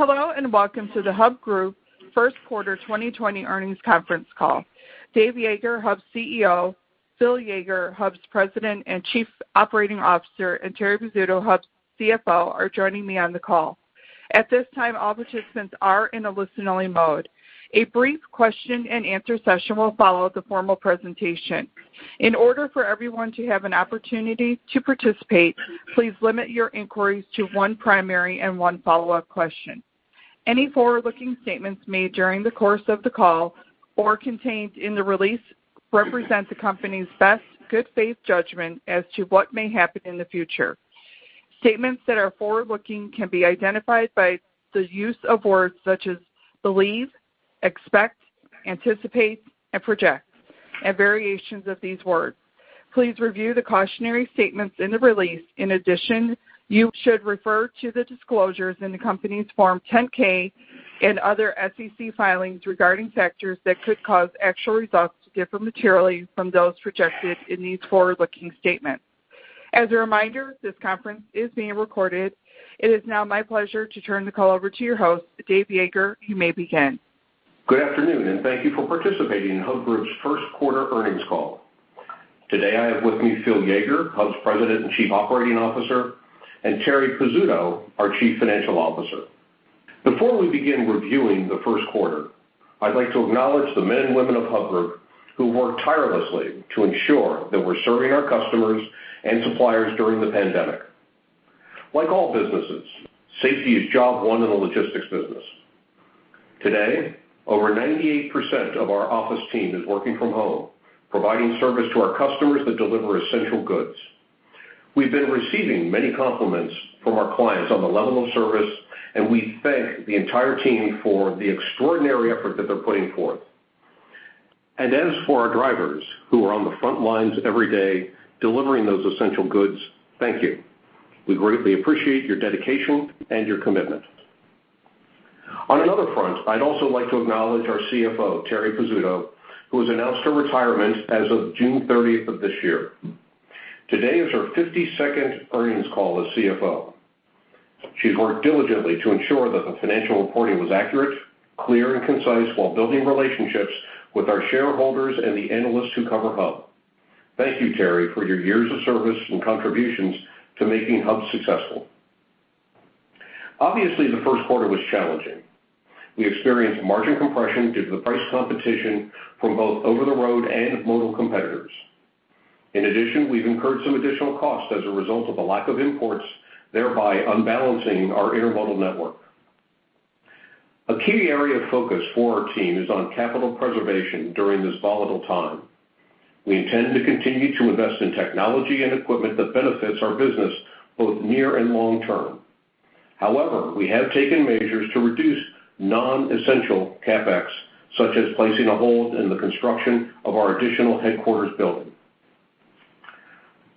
Hello, welcome to the Hub Group First Quarter 2020 earnings conference call. Dave Yeager, Hub's CEO, Phil Yeager, Hub's President and Chief Operating Officer, and Terri Pizzuto, Hub's CFO, are joining me on the call. At this time, all participants are in a listening mode. A brief question and answer session will follow the formal presentation. In order for everyone to have an opportunity to participate, please limit your inquiries to one primary and one follow-up question. Any forward-looking statements made during the course of the call or contained in the release represent the company's best good faith judgment as to what may happen in the future. Statements that are forward-looking can be identified by the use of words such as believe, expect, anticipate, and project, and variations of these words. Please review the cautionary statements in the release. In addition, you should refer to the disclosures in the company's Form 10-K and other SEC filings regarding factors that could cause actual results to differ materially from those projected in these forward-looking statements. As a reminder, this conference is being recorded. It is now my pleasure to turn the call over to your host, Dave Yeager. You may begin. Good afternoon, thank you for participating in Hub Group's first quarter earnings call. Today, I have with me Phil Yeager, Hub's President and Chief Operating Officer, and Terri Pizzuto, our Chief Financial Officer. Before we begin reviewing the first quarter, I'd like to acknowledge the men and women of Hub Group who work tirelessly to ensure that we're serving our customers and suppliers during the pandemic. Like all businesses, safety is job one in the logistics business. Today, over 98% of our office team is working from home, providing service to our customers that deliver essential goods. We've been receiving many compliments from our clients on the level of service, and we thank the entire team for the extraordinary effort that they're putting forth. As for our drivers who are on the front lines every day delivering those essential goods, thank you. We greatly appreciate your dedication and your commitment. On another front, I'd also like to acknowledge our CFO, Terri Pizzuto, who has announced her retirement as of June 30th of this year. Today is her 52nd earnings call as CFO. She's worked diligently to ensure that the financial reporting was accurate, clear, and concise while building relationships with our shareholders and the analysts who cover Hub. Thank you, Terri, for your years of service and contributions to making Hub successful. Obviously, the first quarter was challenging. We experienced margin compression due to the price competition from both over-the-road and modal competitors. In addition, we've incurred some additional costs as a result of the lack of imports, thereby unbalancing our intermodal network. A key area of focus for our team is on capital preservation during this volatile time. We intend to continue to invest in technology and equipment that benefits our business both near and long-term. However, we have taken measures to reduce non-essential CapEx, such as placing a hold in the construction of our additional headquarters building.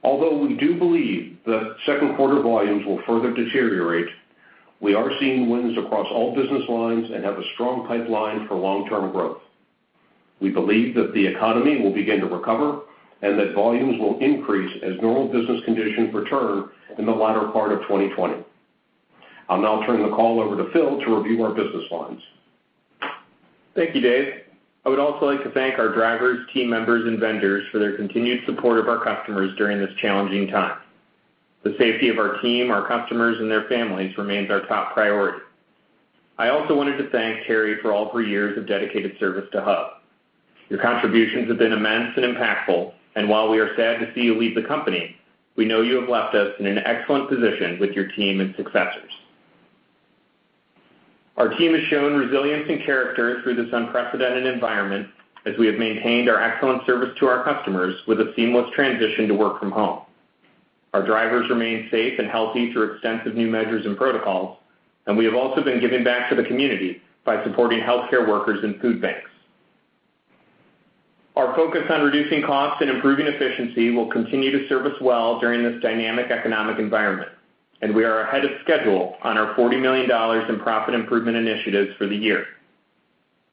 Although we do believe that second quarter volumes will further deteriorate, we are seeing wins across all business lines and have a strong pipeline for long-term growth. We believe that the economy will begin to recover and that volumes will increase as normal business conditions return in the latter part of 2020. I'll now turn the call over to Phil to review our business lines. Thank you, Dave. I would also like to thank our drivers, team members, and vendors for their continued support of our customers during this challenging time. The safety of our team, our customers, and their families remains our top priority. I also wanted to thank Terri for all of her years of dedicated service to Hub. Your contributions have been immense and impactful, and while we are sad to see you leave the company, we know you have left us in an excellent position with your team and successors. Our team has shown resilience and character through this unprecedented environment as we have maintained our excellent service to our customers with a seamless transition to work from home. Our drivers remain safe and healthy through extensive new measures and protocols, and we have also been giving back to the community by supporting healthcare workers and food banks. Our focus on reducing costs and improving efficiency will continue to serve us well during this dynamic economic environment, and we are ahead of schedule on our $40 million in profit improvement initiatives for the year.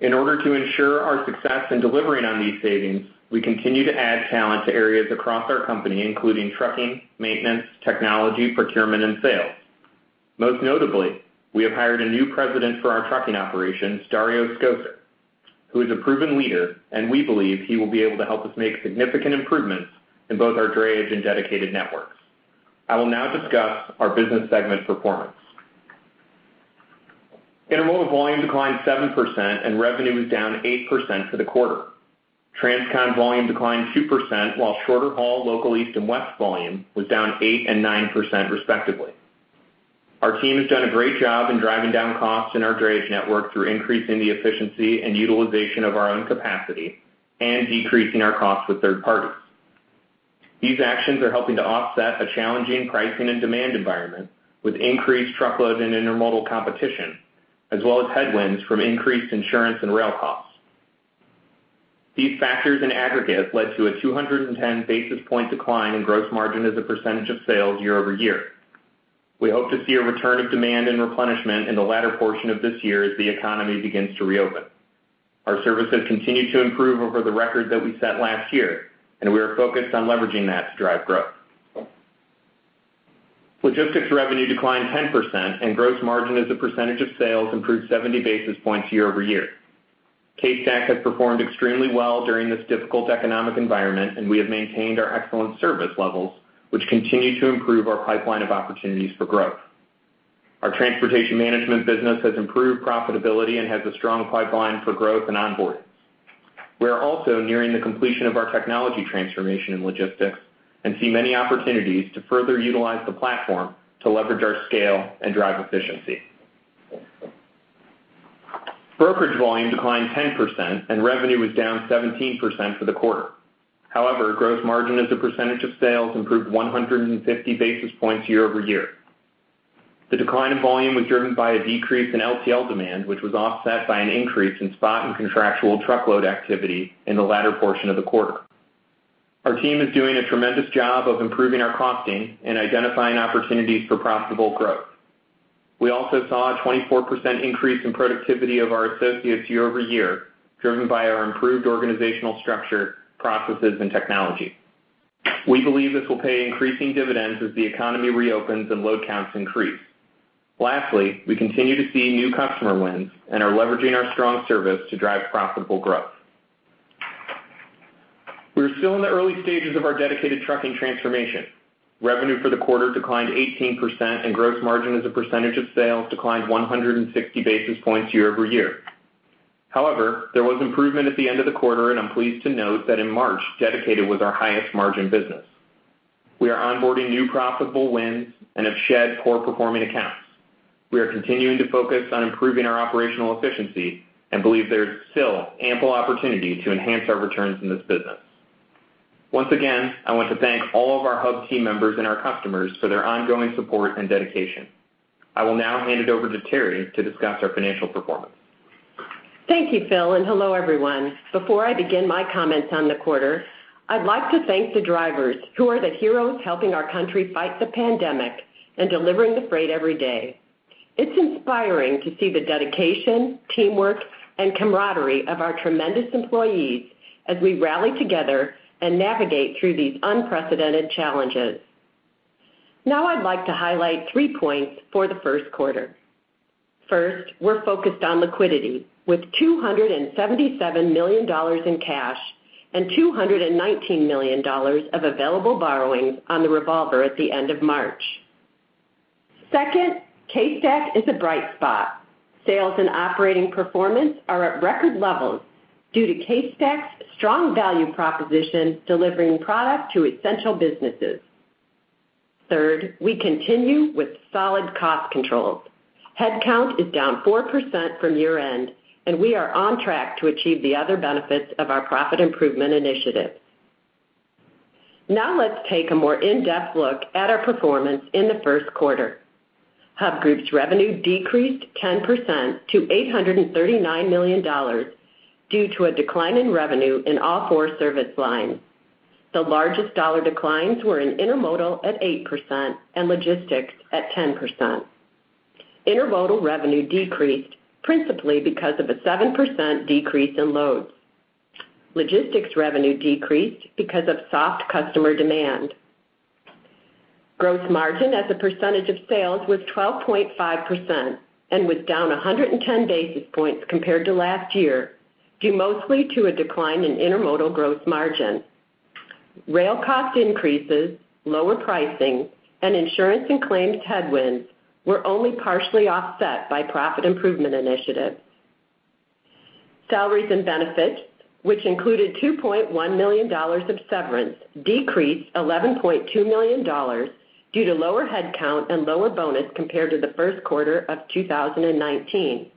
In order to ensure our success in delivering on these savings, we continue to add talent to areas across our company, including trucking, maintenance, technology, procurement, and sales. Most notably, we have hired a new president for our trucking operations, Vince Paperiello, who is a proven leader, and we believe he will be able to help us make significant improvements in both our drayage and dedicated networks. I will now discuss our business segment performance. Intermodal volume declined 7% and revenue was down 8% for the quarter. Transcon volume declined 2% while shorter haul local east and west volume was down 8% and 9% respectively. Our team has done a great job in driving down costs in our drayage network through increasing the efficiency and utilization of our own capacity and decreasing our costs with third parties. These actions are helping to offset a challenging pricing and demand environment with increased truckload and intermodal competition, as well as headwinds from increased insurance and rail costs. These factors in aggregate led to a 210 basis point decline in gross margin as a percentage of sales year-over-year. We hope to see a return of demand and replenishment in the latter portion of this year as the economy begins to reopen. Our services continue to improve over the record that we set last year, and we are focused on leveraging that to drive growth. Logistics revenue declined 10%, and gross margin as a percentage of sales improved 70 basis points year-over-year. CaseStack has performed extremely well during this difficult economic environment, and we have maintained our excellent service levels, which continue to improve our pipeline of opportunities for growth. Our transportation management business has improved profitability and has a strong pipeline for growth and onboarding. We are also nearing the completion of our technology transformation in logistics and see many opportunities to further utilize the platform to leverage our scale and drive efficiency. Brokerage volume declined 10%, and revenue was down 17% for the quarter. However, gross margin as a percentage of sales improved 150 basis points year-over-year. The decline in volume was driven by a decrease in LTL demand, which was offset by an increase in spot and contractual truckload activity in the latter portion of the quarter. Our team is doing a tremendous job of improving our costing and identifying opportunities for profitable growth. We also saw a 24% increase in productivity of our associates year-over-year, driven by our improved organizational structure, processes, and technology. We believe this will pay increasing dividends as the economy reopens and load counts increase. We continue to see new customer wins and are leveraging our strong service to drive profitable growth. We are still in the early stages of our dedicated trucking transformation. Revenue for the quarter declined 18%, gross margin as a percentage of sales declined 160 basis points year-over-year. There was improvement at the end of the quarter, I'm pleased to note that in March, Dedicated was our highest margin business. We are onboarding new profitable wins and have shed poor performing accounts. We are continuing to focus on improving our operational efficiency and believe there is still ample opportunity to enhance our returns in this business. Once again, I want to thank all of our Hub team members and our customers for their ongoing support and dedication. I will now hand it over to Terri to discuss our financial performance. Thank you, Phil, and hello, everyone. Before I begin my comments on the quarter, I'd like to thank the drivers who are the heroes helping our country fight the pandemic and delivering the freight every day. It's inspiring to see the dedication, teamwork, and camaraderie of our tremendous employees as we rally together and navigate through these unprecedented challenges. Now I'd like to highlight three points for the first quarter. First, we're focused on liquidity, with $277 million in cash and $219 million of available borrowings on the revolver at the end of March. Second, CaseStack is a bright spot. Sales and operating performance are at record levels due to CaseStack's strong value proposition, delivering product to essential businesses. Third, we continue with solid cost control. Headcount is down 4% from year-end, and we are on track to achieve the other benefits of our profit improvement initiative. Now let's take a more in-depth look at our performance in the first quarter. Hub Group's revenue decreased 10% to $839 million due to a decline in revenue in all four service lines. The largest dollar declines were in intermodal at 8% and logistics at 10%. Intermodal revenue decreased principally because of a 7% decrease in loads. Logistics revenue decreased because of soft customer demand. Gross margin as a percentage of sales was 12.5% and was down 110 basis points compared to last year, due mostly to a decline in intermodal gross margin. Rail cost increases, lower pricing, and insurance and claims headwinds were only partially offset by profit improvement initiatives. Salaries and benefits, which included $2.1 million of severance, decreased $11.2 million due to lower headcount and lower bonus compared to the first quarter of 2019.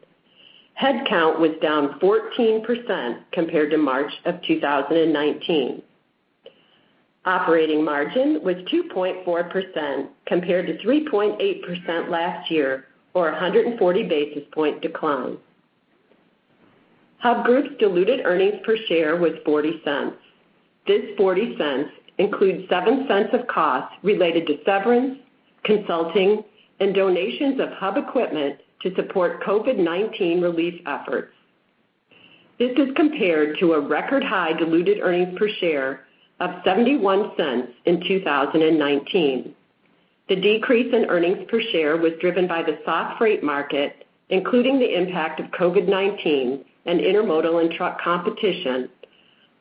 Headcount was down 14% compared to March of 2019. Operating margin was 2.4% compared to 3.8% last year or 140 basis point decline. Hub Group's diluted earnings per share was $0.40. This $0.40 includes $0.07 of cost related to severance, consulting, and donations of Hub equipment to support COVID-19 relief efforts. This is compared to a record high diluted earnings per share of $0.71 in 2019. The decrease in earnings per share was driven by the soft freight market, including the impact of COVID-19 and intermodal and truck competition,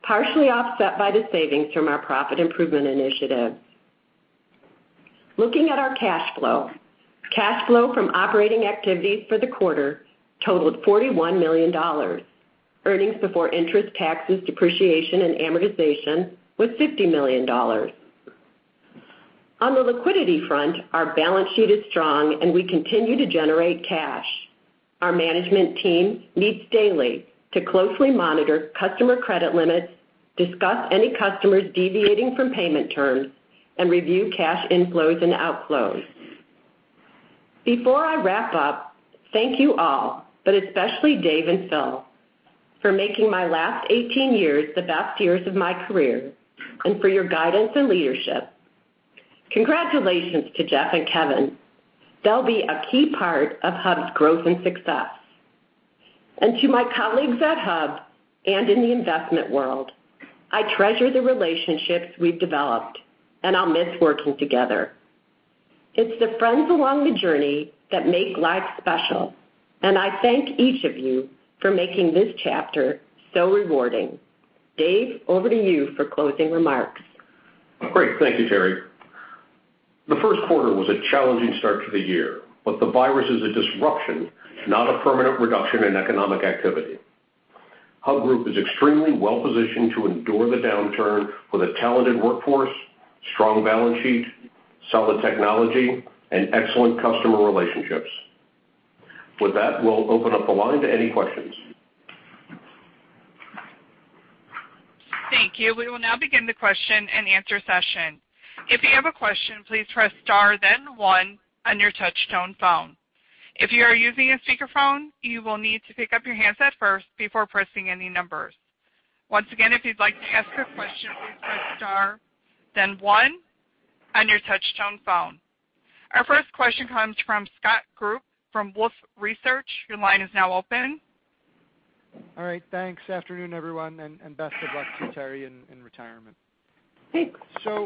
partially offset by the savings from our profit improvement initiative. Looking at our cash flow. Cash flow from operating activities for the quarter totaled $41 million. Earnings before interest, taxes, depreciation, and amortization was $50 million. On the liquidity front, our balance sheet is strong, and we continue to generate cash. Our management team meets daily to closely monitor customer credit limits, discuss any customers deviating from payment terms, and review cash inflows and outflows. Before I wrap up, thank you all, but especially Dave and Phil, for making my last 18 years the best years of my career and for your guidance and leadership. Congratulations to Jeff and Kevin. They'll be a key part of Hub's growth and success. To my colleagues at Hub and in the investment world, I treasure the relationships we've developed, and I'll miss working together. It's the friends along the journey that make life special, and I thank each of you for making this chapter so rewarding. Dave, over to you for closing remarks. Great. Thank you, Terri. The first quarter was a challenging start to the year. The virus is a disruption, not a permanent reduction in economic activity. Hub Group is extremely well-positioned to endure the downturn with a talented workforce, strong balance sheet, solid technology, and excellent customer relationships. With that, we'll open up the line to any questions. Thank you. We will now begin the question and answer session. If you have a question, please press star then one on your touch-tone phone. If you are using a speakerphone, you will need to pick up your handset first before pressing any numbers. Once again, if you'd like to ask a question, please press star then one on your touch-tone phone. Our first question comes from Scott Group from Wolfe Research. Your line is now open. All right. Thanks. Afternoon, everyone, and best of luck to Terri in retirement. Thanks.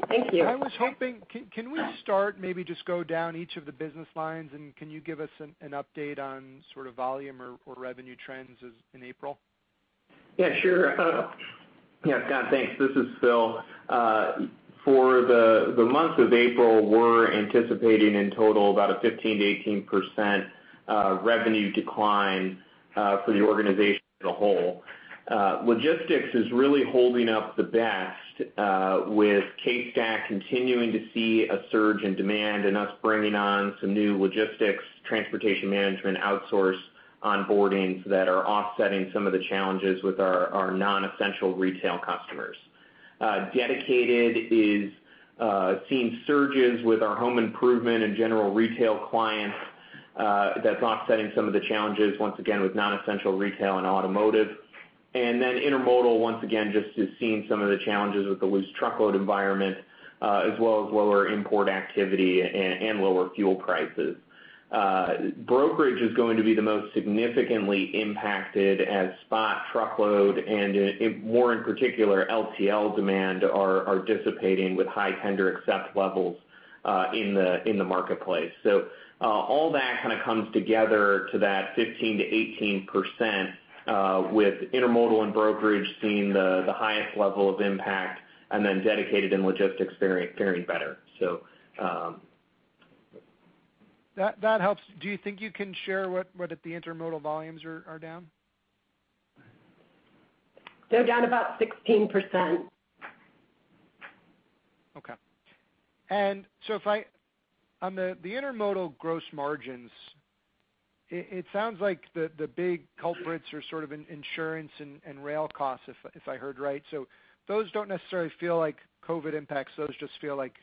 Thank you. I was hoping, can we start maybe just go down each of the business lines, and can you give us an update on sort of volume or revenue trends in April? Scott, thanks. This is Phil. For the month of April, we're anticipating in total about a 15%-18% revenue decline for the organization as a whole. Logistics is really holding up the best, with CaseStack continuing to see a surge in demand and us bringing on some new logistics transportation management outsource onboardings that are offsetting some of the challenges with our non-essential retail customers. Dedicated is seeing surges with our home improvement and general retail clients that's offsetting some of the challenges, once again, with non-essential retail and automotive. Intermodal, once again, just is seeing some of the challenges with the loose truckload environment, as well as lower import activity and lower fuel prices. Brokerage is going to be the most significantly impacted as spot truckload and more in particular, LTL demand are dissipating with high tender accept levels in the marketplace. All that kind of comes together to that 15%-18%, with intermodal and brokerage seeing the highest level of impact, and then dedicated and logistics faring better. That helps. Do you think you can share what the intermodal volumes are down? They're down about 16%. Okay. If I On the intermodal gross margins, it sounds like the big culprits are sort of insurance and rail costs if I heard right. Those don't necessarily feel like COVID impacts. Those just feel like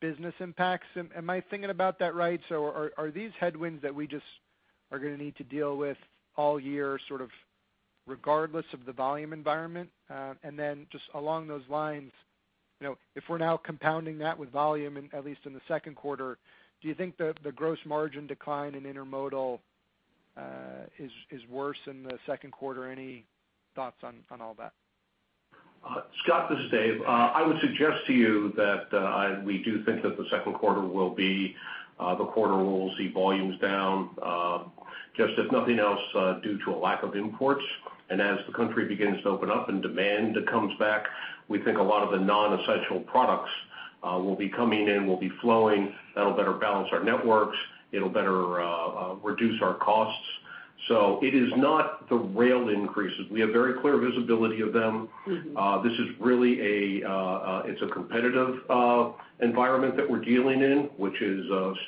business impacts. Am I thinking about that right? Are these headwinds that we just are going to need to deal with all year, sort of regardless of the volume environment? Then just along those lines, if we're now compounding that with volume, at least in the second quarter, do you think the gross margin decline in intermodal is worse in the second quarter? Any thoughts on all that? Scott, this is Dave. I would suggest to you that we do think that the second quarter will be the quarter where we'll see volumes down, just if nothing else, due to a lack of imports. As the country begins to open up and demand comes back, we think a lot of the non-essential products will be coming in, will be flowing. That'll better balance our networks. It'll better reduce our costs. It is not the rail increases. We have very clear visibility of them. This is really a competitive environment that we're dealing in, which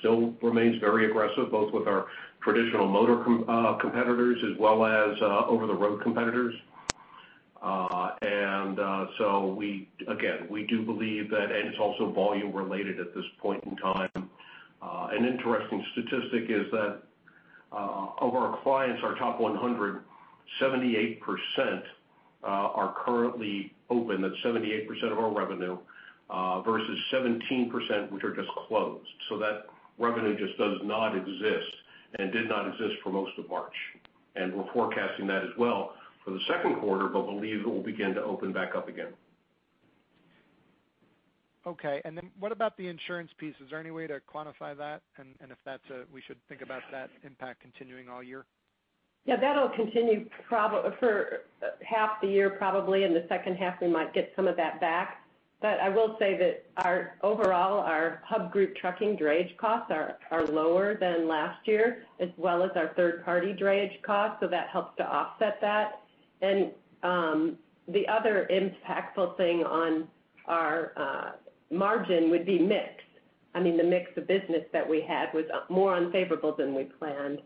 still remains very aggressive, both with our traditional motor competitors as well as over-the-road competitors. Again, we do believe that, and it's also volume related at this point in time. An interesting statistic is that of our clients, our top 100, 78% are currently open. That's 78% of our revenue versus 17%, which are just closed. That revenue just does not exist and did not exist for most of March. We're forecasting that as well for the second quarter, but believe it will begin to open back up again. Okay. Then what about the insurance piece? Is there any way to quantify that? If that's a, we should think about that impact continuing all year? Yeah, that'll continue for half the year, probably. In the second half, we might get some of that back. I will say that our overall Hub Group trucking drayage costs are lower than last year, as well as our third-party drayage costs, so that helps to offset that. The other impactful thing on our margin would be mix. I mean, the mix of business that we had was more unfavorable than we planned.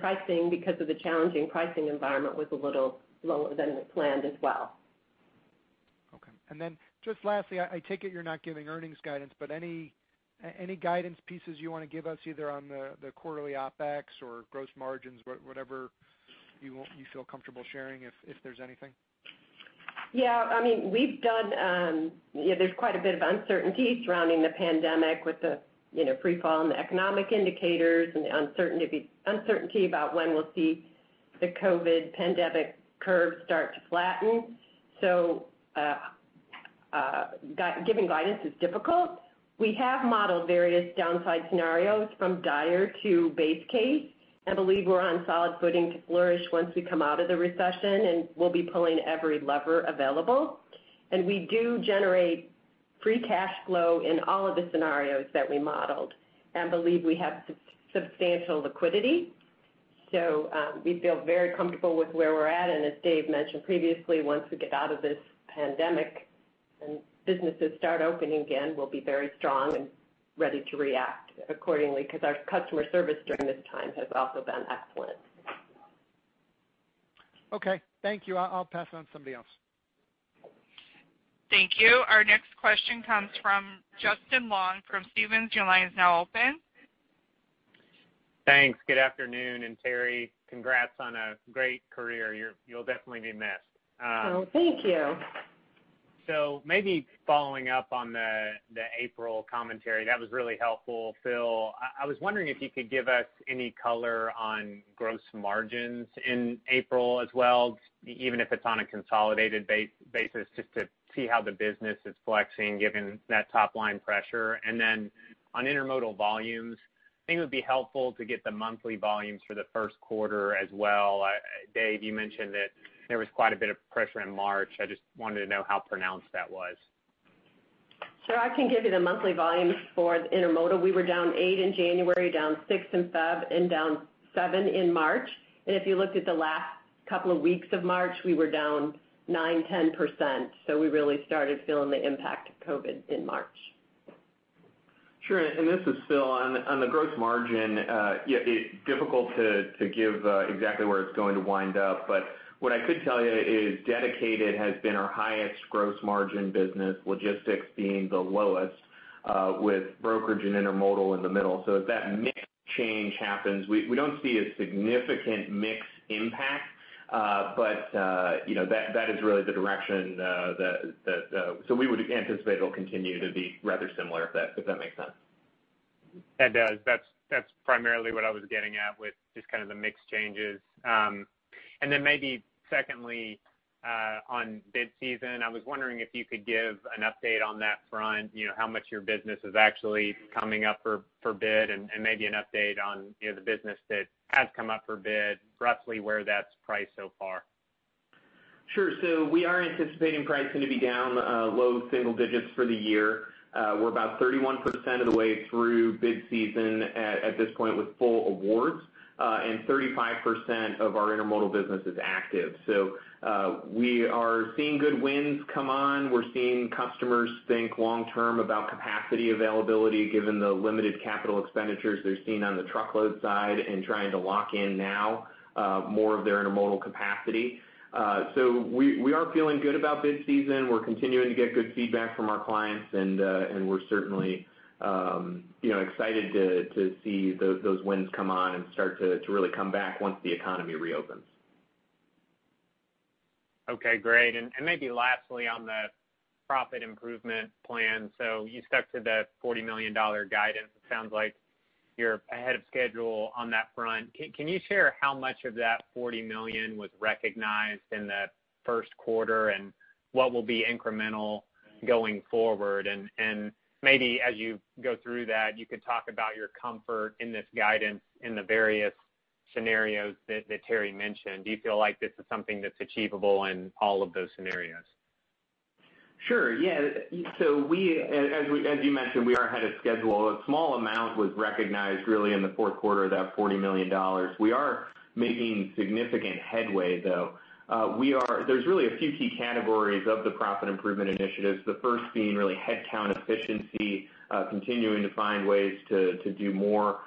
Pricing, because of the challenging pricing environment, was a little lower than we planned as well. Okay. Just lastly, I take it you're not giving earnings guidance, but any guidance pieces you want to give us, either on the quarterly OpEx or gross margins, whatever you feel comfortable sharing if there's anything? Yeah. There's quite a bit of uncertainty surrounding the pandemic with the free fall in the economic indicators and the uncertainty about when we'll see the COVID pandemic curve start to flatten. Giving guidance is difficult. We have modeled various downside scenarios from dire to base case, and believe we're on solid footing to flourish once we come out of the recession, and we'll be pulling every lever available. We do generate free cash flow in all of the scenarios that we modeled and believe we have substantial liquidity. We feel very comfortable with where we're at, and as Dave mentioned previously, once we get out of this pandemic and businesses start opening again, we'll be very strong and ready to react accordingly because our customer service during this time has also been excellent. Okay. Thank you. I'll pass on to somebody else. Thank you. Our next question comes from Justin Long from Stephens. Your line is now open. Thanks. Good afternoon. Terri, congrats on a great career. You'll definitely be missed. Oh, thank you. Maybe following up on the April commentary, that was really helpful, Phil. I was wondering if you could give us any color on gross margins in April as well, even if it's on a consolidated basis, just to see how the business is flexing given that top-line pressure. On intermodal volumes, I think it would be helpful to get the monthly volumes for the first quarter as well. Dave, you mentioned that there was quite a bit of pressure in March. I just wanted to know how pronounced that was. I can give you the monthly volumes for the intermodal. We were down eight in January, down six in Feb, and down seven in March. If you looked at the last couple of weeks of March, we were down nine, 10%. We really started feeling the impact of COVID in March. Sure. This is Phil. On the gross margin, difficult to give exactly where it's going to wind up. What I could tell you is dedicated has been our highest gross margin business, logistics being the lowest, with brokerage and intermodal in the middle. As that mix change happens, we don't see a significant mix impact. That is really the direction. We would anticipate it'll continue to be rather similar, if that makes sense. It does. That's primarily what I was getting at with just kind of the mix changes. Maybe secondly, on bid season, I was wondering if you could give an update on that front, how much your business is actually coming up for bid, and maybe an update on the business that has come up for bid, roughly where that's priced so far. Sure. We are anticipating pricing to be down low single digits for the year. We're about 31% of the way through bid season at this point with full awards, and 35% of our intermodal business is active. We are seeing good wins come on. We're seeing customers think long term about capacity availability given the limited capital expenditures they're seeing on the truckload side and trying to lock in now more of their intermodal capacity. We are feeling good about bid season. We're continuing to get good feedback from our clients, and we're certainly excited to see those wins come on and start to really come back once the economy reopens. Okay, great. Maybe lastly on the profit improvement plan. You stuck to the $40 million guidance. It sounds like you're ahead of schedule on that front. Can you share how much of that $40 million was recognized in the first quarter and what will be incremental going forward? Maybe as you go through that, you could talk about your comfort in this guidance in the various scenarios that Terri mentioned. Do you feel like this is something that's achievable in all of those scenarios? Sure. Yeah. As you mentioned, we are ahead of schedule. A small amount was recognized really in the fourth quarter, that $40 million. We are making significant headway, though. There's really a few key categories of the profit improvement initiatives, the first being really headcount efficiency, continuing to find ways to do more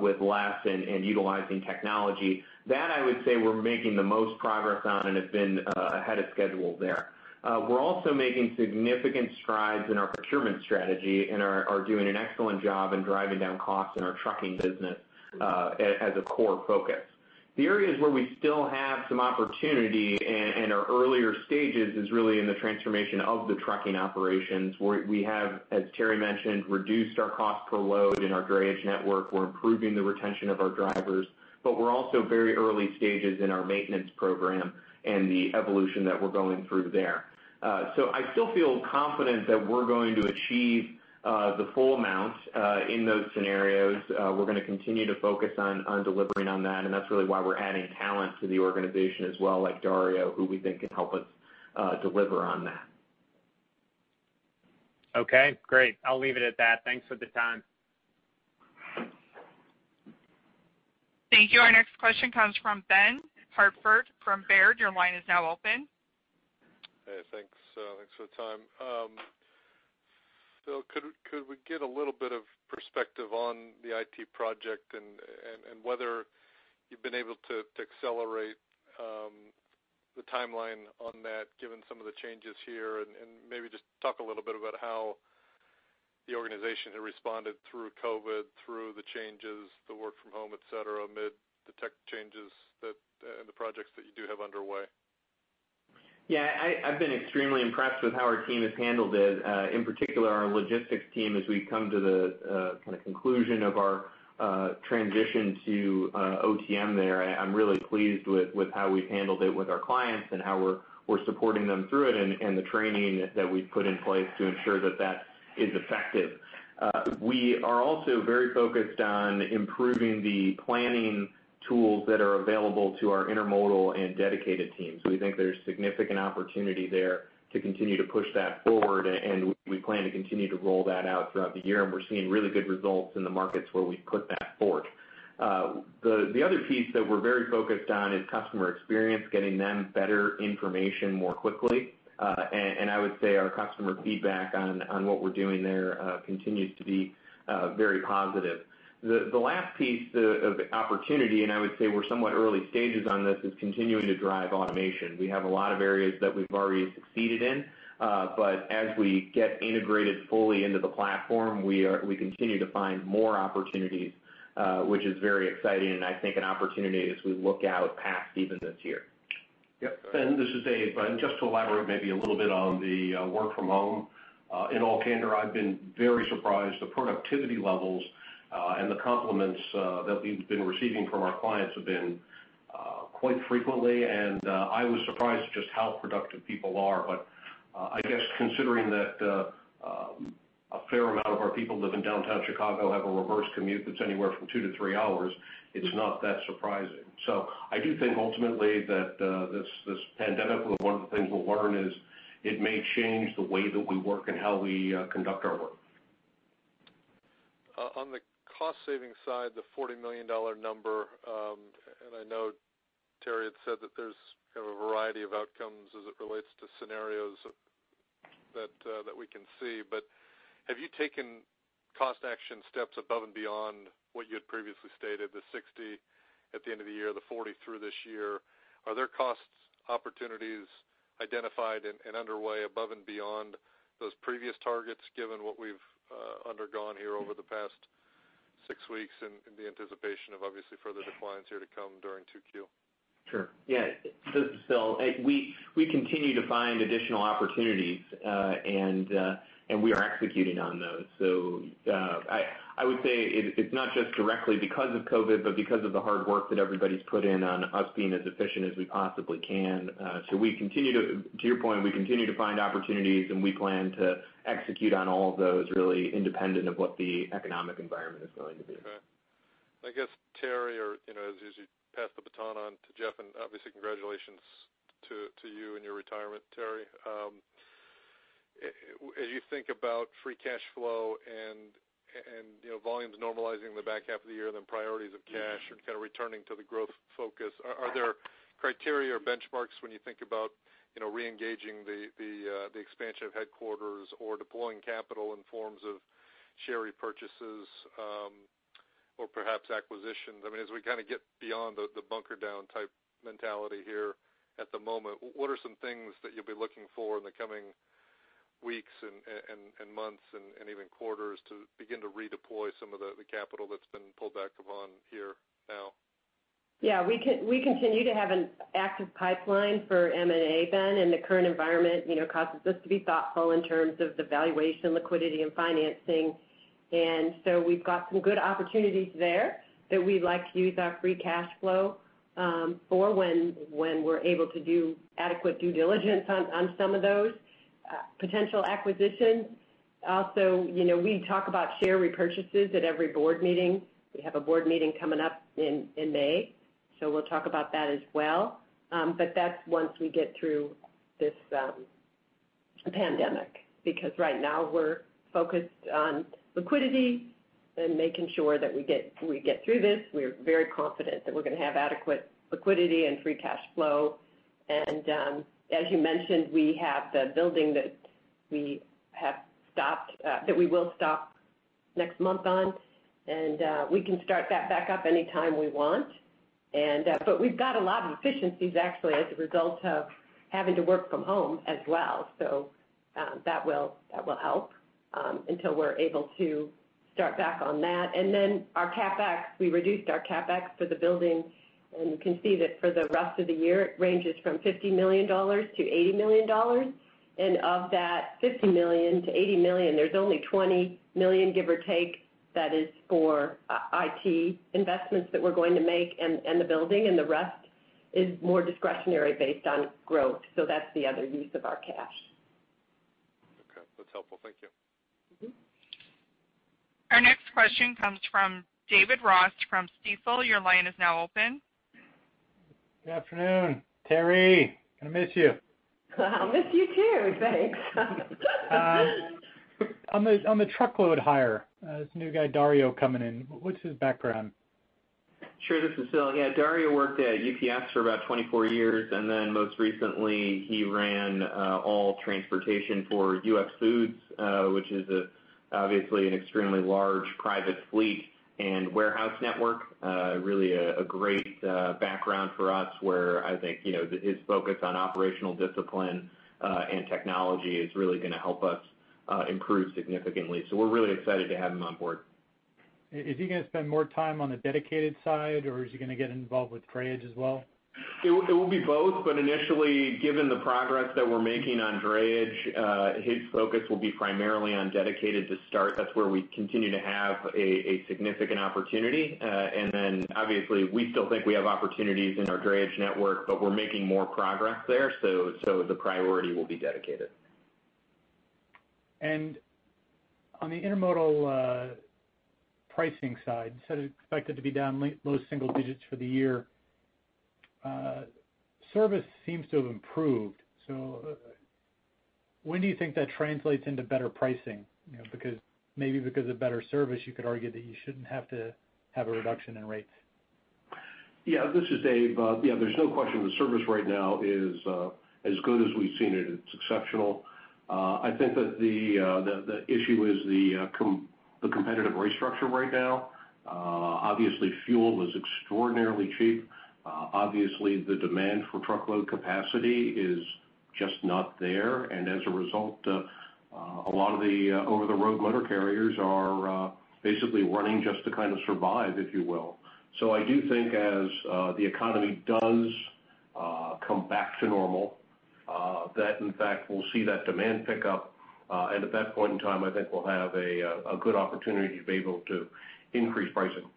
with less and utilizing technology. That I would say we're making the most progress on and have been ahead of schedule there. We're also making significant strides in our procurement strategy and are doing an excellent job in driving down costs in our trucking business as a core focus. The areas where we still have some opportunity and are earlier stages is really in the transformation of the trucking operations, where we have, as Terri mentioned, reduced our cost per load in our drayage network. We're improving the retention of our drivers, but we're also very early stages in our maintenance program and the evolution that we're going through there. I still feel confident that we're going to achieve the full amount in those scenarios. We're going to continue to focus on delivering on that, and that's really why we're adding talent to the organization as well, like Vince, who we think can help us deliver on that. Okay, great. I'll leave it at that. Thanks for the time. Thank you. Our next question comes from Ben Hartford from Baird. Your line is now open. Hey, thanks. Thanks for the time. Phil, could we get a little bit of perspective on the IT project and whether you've been able to accelerate the timeline on that given some of the changes here? Maybe just talk a little bit about how the organization has responded through COVID-19, through the changes, the work from home, etcetera, amid the tech changes and the projects that you do have underway. Yeah. I've been extremely impressed with how our team has handled it, in particular our logistics team, as we come to the conclusion of our transition to OTM there. I'm really pleased with how we've handled it with our clients and how we're supporting them through it, and the training that we've put in place to ensure that is effective. We are also very focused on improving the planning tools that are available to our intermodal and dedicated teams. We think there's significant opportunity there to continue to push that forward, and we plan to continue to roll that out throughout the year, and we're seeing really good results in the markets where we've put that forward. The other piece that we're very focused on is customer experience, getting them better information more quickly. I would say our customer feedback on what we're doing there continues to be very positive. The last piece of the opportunity, and I would say we're somewhat early stages on this, is continuing to drive automation. We have a lot of areas that we've already succeeded in. As we get integrated fully into the platform, we continue to find more opportunities, which is very exciting, and I think an opportunity as we look out past even this year. Yep. Ben, this is Dave. Just to elaborate maybe a little bit on the work from home. In all candor, I've been very surprised. The productivity levels, and the compliments that we've been receiving from our clients have been quite frequently. I was surprised just how productive people are. I guess considering that a fair amount of our people live in downtown Chicago have a reverse commute that's anywhere from two to three hours, it's not that surprising. I do think ultimately that this pandemic, one of the things we'll learn is it may change the way that we work and how we conduct our work. On the cost-saving side, the $40 million number. I know Terri had said that there's a variety of outcomes as it relates to scenarios that we can see. Have you taken cost action steps above and beyond what you had previously stated, the $60 million at the end of the year, the $40 million through this year? Are there cost opportunities identified and underway above and beyond those previous targets, given what we've undergone here over the past six weeks and the anticipation of obviously further declines here to come during 2Q? Sure. Yeah. This is Phil. We continue to find additional opportunities, and we are executing on those. I would say it's not just directly because of COVID, but because of the hard work that everybody's put in on us being as efficient as we possibly can. To your point, we continue to find opportunities, and we plan to execute on all of those really independent of what the economic environment is going to be. Okay. I guess, Terri, or as you pass the baton on to Jeff, obviously congratulations to you and your retirement, Terri. As you think about free cash flow and volumes normalizing in the back half of the year, priorities of cash and kind of returning to the growth focus, are there criteria or benchmarks when you think about reengaging the expansion of headquarters or deploying capital in forms of share repurchases, or perhaps acquisitions? As we kind of get beyond the bunker down type mentality here at the moment, what are some things that you'll be looking for in the coming weeks and months and even quarters to begin to redeploy some of the capital that's been pulled back upon here now? Yeah, we continue to have an active pipeline for M&A, Ben. The current environment causes us to be thoughtful in terms of the valuation, liquidity, and financing. We've got some good opportunities there that we'd like to use our free cash flow for when we're able to do adequate due diligence on some of those potential acquisitions. Also, we talk about share repurchases at every board meeting. We have a board meeting coming up in May, so we'll talk about that as well. That's once we get through this pandemic, because right now we're focused on liquidity and making sure that we get through this. We are very confident that we're going to have adequate liquidity and free cash flow. As you mentioned, we have the building that we will stop next month on, and we can start that back up anytime we want. We've got a lot of efficiencies actually as a result of having to work from home as well. That will help until we're able to start back on that. Our CapEx, we reduced our CapEx for the building, and you can see that for the rest of the year, it ranges from $50 million-$80 million. Of that $50 million-$80 million, there's only $20 million, give or take, that is for IT investments that we're going to make and the building, and the rest is more discretionary based on growth. That's the other use of our cash. Okay. That's helpful. Thank you. Our next question comes from David Ross from Stifel. Your line is now open. Good afternoon, Terri. Going to miss you. I'll miss you too. Thanks. On the truckload hire, this new guy, Dario, coming in. What's his background? Sure. This is Phil. Yeah, Dario worked at UPS for about 24 years, and then most recently, he ran all transportation for US Foods, which is obviously an extremely large private fleet and warehouse network. Really a great background for us where I think his focus on operational discipline and technology is really going to help us improve significantly. We're really excited to have him on board. Is he going to spend more time on the dedicated side, or is he going to get involved with drayage as well? It will be both. Initially, given the progress that we're making on drayage, his focus will be primarily on dedicated to start. That's where we continue to have a significant opportunity. Obviously, we still think we have opportunities in our drayage network. We're making more progress there. The priority will be dedicated. On the intermodal pricing side, you said it's expected to be down low single digits for the year. Service seems to have improved. When do you think that translates into better pricing? Maybe because of better service, you could argue that you shouldn't have to have a reduction in rates. Yeah, this is Dave. Yeah, there's no question the service right now is as good as we've seen it. It's exceptional. I think that the issue is the competitive rate structure right now. Obviously, fuel is extraordinarily cheap. Obviously, the demand for truckload capacity is just not there, and as a result, a lot of the over-the-road motor carriers are basically running just to kind of survive, if you will. I do think as the economy does come back to normal, that in fact, we'll see that demand pick up. At that point in time, I think we'll have a good opportunity to be able to increase pricing.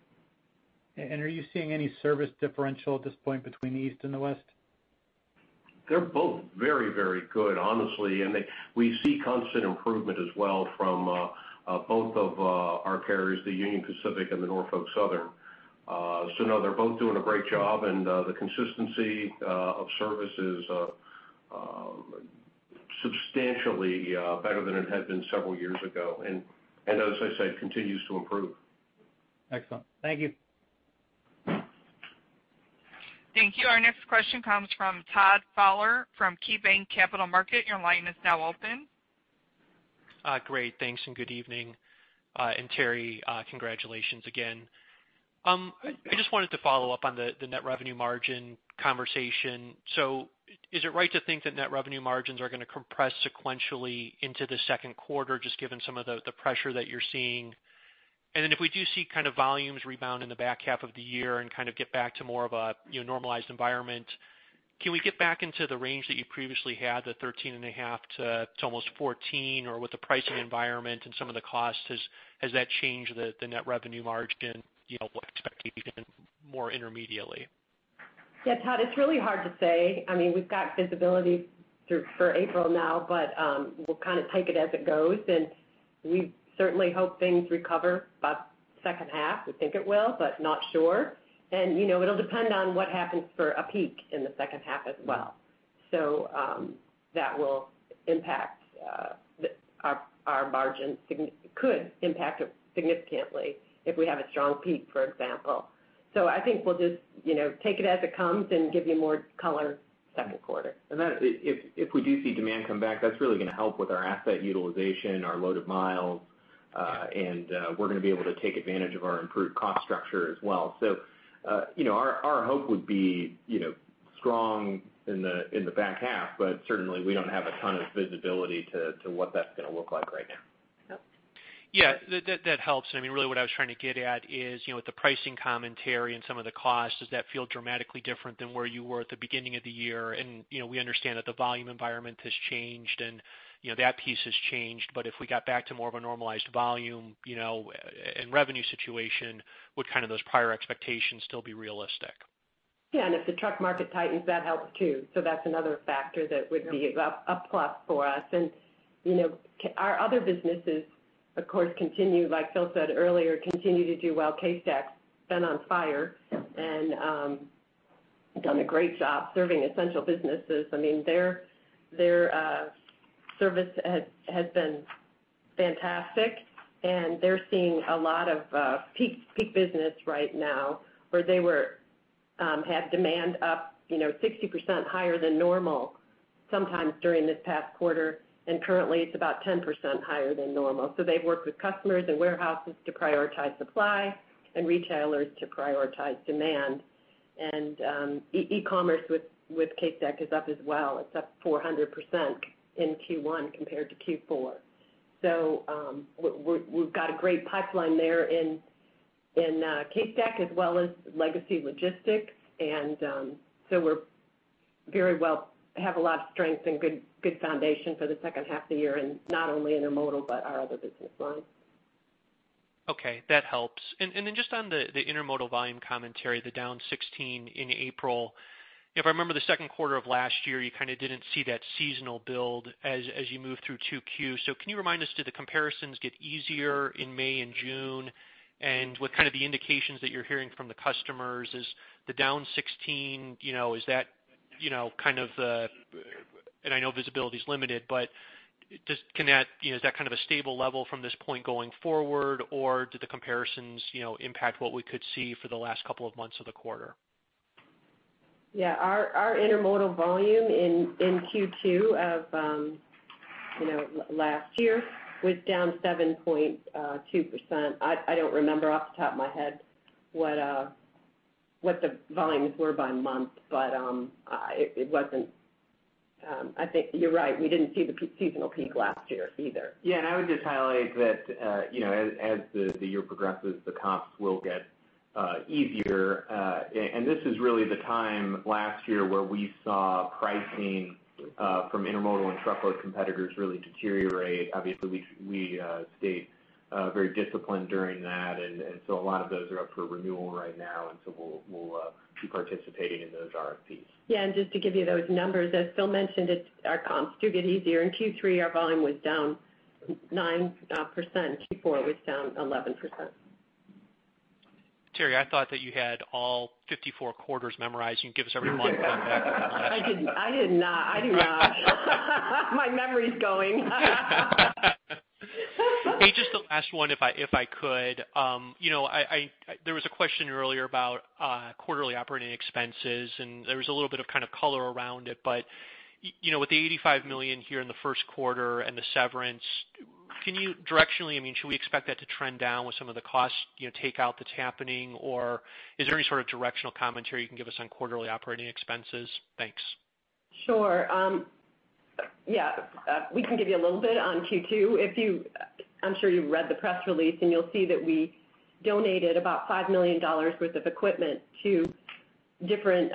Are you seeing any service differential at this point between the East and the West? They're both very good, honestly. We see constant improvement as well from both of our carriers, the Union Pacific and the Norfolk Southern. No, they're both doing a great job, and the consistency of service is substantially better than it had been several years ago. As I said, continues to improve. Excellent. Thank you. Thank you. Our next question comes from Todd Fowler from KeyBanc Capital Markets. Your line is now open. Great, thanks, good evening. Terri, congratulations again. I just wanted to follow up on the net revenue margin conversation. Is it right to think that net revenue margins are going to compress sequentially into the second quarter, just given some of the pressure that you're seeing? If we do see volumes rebound in the back half of the year and kind of get back to more of a normalized environment, can we get back into the range that you previously had, the 13.5% to almost 14? With the pricing environment and some of the costs, has that changed the net revenue margin, what expectations more intermediately? Todd, it's really hard to say. We've got visibility for April now, but we'll kind of take it as it goes, and we certainly hope things recover by the second half. We think it will, but not sure. It'll depend on what happens for a peak in the second half as well. That could impact our margins significantly if we have a strong peak, for example. I think we'll just take it as it comes and give you more color second quarter. If we do see demand come back, that's really going to help with our asset utilization, our load of miles, and we're going to be able to take advantage of our improved cost structure as well. Our hope would be strong in the back half, but certainly we don't have a ton of visibility to what that's going to look like right now. Yep. Yeah, that helps. Really what I was trying to get at is, with the pricing commentary and some of the costs, does that feel dramatically different than where you were at the beginning of the year? We understand that the volume environment has changed and that piece has changed. If we got back to more of a normalized volume, and revenue situation, would those prior expectations still be realistic? If the truck market tightens, that helps too. That's another factor that would be a plus for us. Our other businesses, of course, like Phil said earlier, continue to do well. CaseStack has been on fire, done a great job serving essential businesses. Their service has been fantastic, they're seeing a lot of peak business right now where they have demand up 60% higher than normal sometimes during this past quarter. Currently, it's about 10% higher than normal. They've worked with customers and warehouses to prioritize supply and retailers to prioritize demand. E-commerce with CaseStack is up as well. It's up 400% in Q1 compared to Q4. We've got a great pipeline there in CaseStack as well as legacy logistics. We have a lot of strength and good foundation for the second half of the year, and not only intermodal, but our other business lines. Okay, that helps. Just on the intermodal volume commentary, the down 16 in April. If I remember the second quarter of last year, you kind of didn't see that seasonal build as you moved through 2Q. Can you remind us, do the comparisons get easier in May and June? What are the indications that you're hearing from the customers? Is the down 16, and I know visibility is limited, but is that kind of a stable level from this point going forward, or do the comparisons impact what we could see for the last couple of months of the quarter? Yeah. Our intermodal volume in Q2 of last year was down 7.2%. I don't remember off the top of my head what the volumes were by month. I think you're right. We didn't see the seasonal peak last year either. Yeah, I would just highlight that as the year progresses, the comps will get easier. This is really the time last year where we saw pricing from intermodal and truckload competitors really deteriorate. Obviously, we stayed very disciplined during that, and so a lot of those are up for renewal right now, and so we'll keep participating in those RFPs. Just to give you those numbers, as Phil mentioned, our comps do get easier. In Q3, our volume was down 9%. Q4 was down 11%. Terri, I thought that you had all 54 quarters memorized. You can give us every one. I did not. My memory's going. Hey, just the last one, if I could. There was a question earlier about quarterly operating expenses, and there was a little bit of color around it. With the $85 million here in the first quarter and the severance, should we expect that to trend down with some of the cost takeout that's happening? Is there any sort of directional commentary you can give us on quarterly operating expenses? Thanks. Sure. We can give you a little bit on Q2. I'm sure you've read the press release. You'll see that we donated about $5 million worth of equipment to different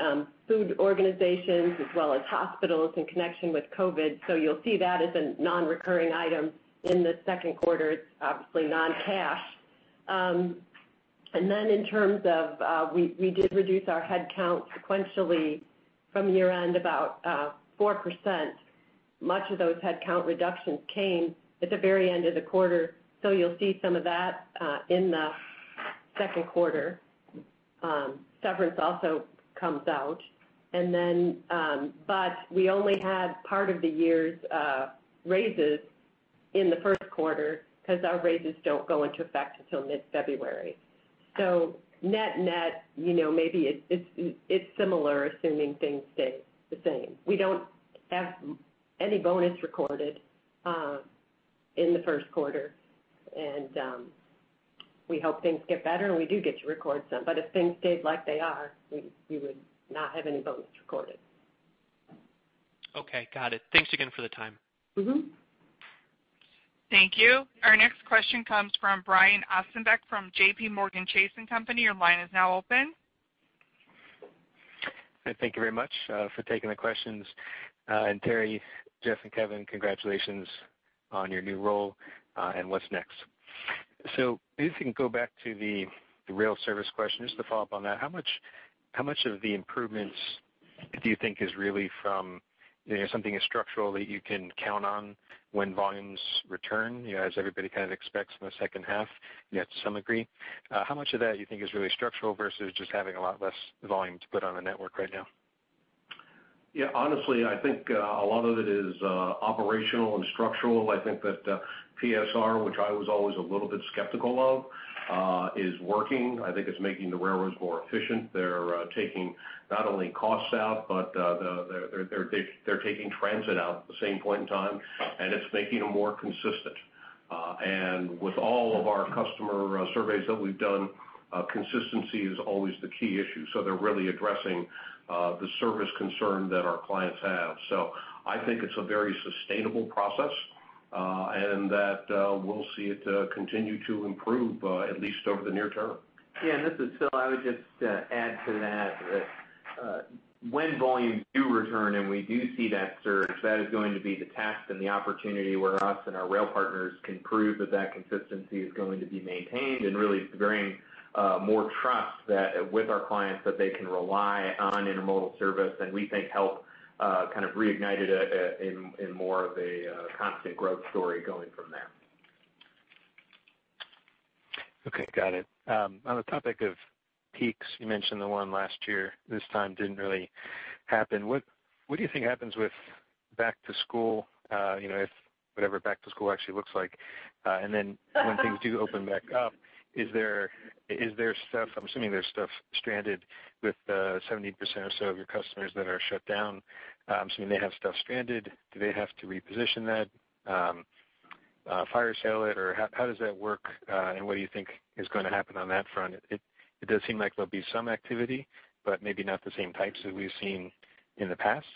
food organizations as well as hospitals in connection with COVID-19. You'll see that as a non-recurring item in the second quarter. It's obviously non-cash. We did reduce our headcount sequentially from year-end about 4%. Much of those headcount reductions came at the very end of the quarter. You'll see some of that in the second quarter. Severance also comes out. We only had part of the year's raises in the first quarter because our raises don't go into effect until mid-February. Net-net, maybe it's similar, assuming things stay the same. We don't have any bonus recorded in the first quarter, and we hope things get better, and we do get to record some. If things stayed like they are, we would not have any bonus recorded. Okay, got it. Thanks again for the time. Thank you. Our next question comes from Brian Ossenbeck from JPMorgan Chase & Co. Your line is now open. Thank you very much for taking the questions. Terri, Jeff, and Kevin, congratulations on your new role and what's next. If we can go back to the rail service question, just to follow up on that, how much of the improvements do you think is really from something as structural that you can count on when volumes return, as everybody kind of expects in the second half, to some degree? How much of that you think is really structural versus just having a lot less volume to put on the network right now? Yeah, honestly, I think a lot of it is operational and structural. I think that PSR, which I was always a little bit skeptical of, is working. I think it's making the railroads more efficient. They're taking not only costs out, but they're taking transit out at the same point in time, and it's making them more consistent. With all of our customer surveys that we've done, consistency is always the key issue. They're really addressing the service concern that our clients have. I think it's a very sustainable process, and that we'll see it continue to improve, at least over the near term. Yeah, this is Phil. I would just add to that when volumes do return and we do see that surge, that is going to be the task and the opportunity where us and our rail partners can prove that consistency is going to be maintained and really bring more trust with our clients that they can rely on intermodal service, and we think help reignite it in more of a constant growth story going from there. Okay, got it. On the topic of peaks, you mentioned the one last year. This time didn't really happen. What do you think happens with back to school, if whatever back to school actually looks like? When things do open back up, is there stuff, I'm assuming there's stuff stranded with the 70% or so of your customers that are shut down. I'm assuming they have stuff stranded. Do they have to reposition that, fire sale it, or how does that work? What do you think is going to happen on that front? It does seem like there'll be some activity, but maybe not the same types that we've seen in the past.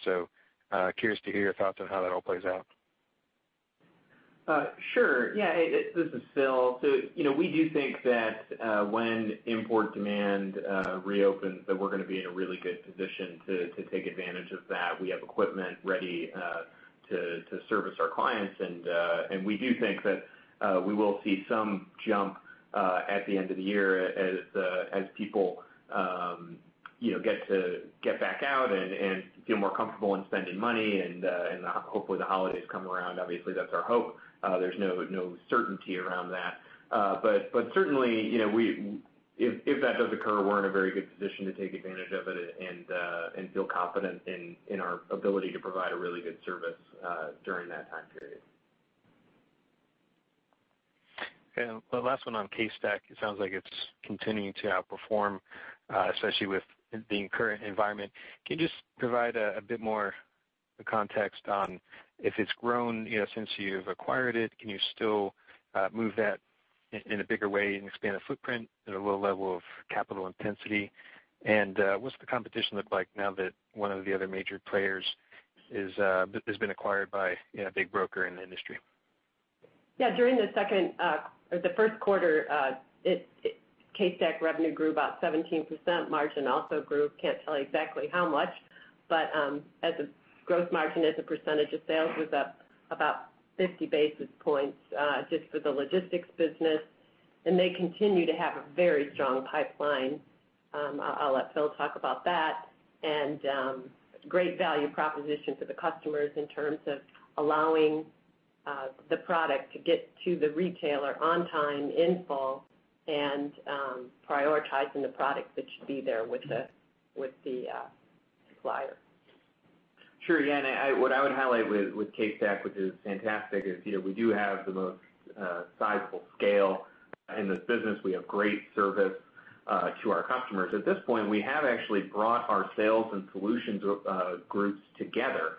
Curious to hear your thoughts on how that all plays out. Sure. Yeah. This is Phil. We do think that when import demand reopens, that we're going to be in a really good position to take advantage of that. We have equipment ready to service our clients, and we do think that we will see some jump at the end of the year as people get back out and feel more comfortable in spending money and hopefully the holidays come around. Obviously, that's our hope. There's no certainty around that. Certainly, if that does occur, we're in a very good position to take advantage of it and feel confident in our ability to provide a really good service during that time period. Okay. The last one on CaseStack, it sounds like it's continuing to outperform, especially with the current environment. Can you just provide a bit more context on if it's grown since you've acquired it? Can you still move that In a bigger way and expand a footprint at a low level of capital intensity. What's the competition look like now that one of the other major players has been acquired by a big broker in the industry? Yeah. During the first quarter, CaseStack revenue grew about 17%, margin also grew. Can't tell exactly how much, but as a growth margin, as a percentage of sales was up about 50 basis points, just for the logistics business. They continue to have a very strong pipeline. I'll let Phil talk about that, and great value proposition to the customers in terms of allowing the product to get to the retailer on time, in full, and prioritizing the product that should be there with the supplier. Sure. Yeah. What I would highlight with CaseStack, which is fantastic, is we do have the most sizable scale in this business. We have great service to our customers. At this point, we have actually brought our sales and solutions groups together.